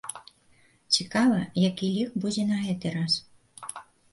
Цікава, якія лік будзе на гэты раз.